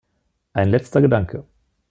Ein letzter Gedanke.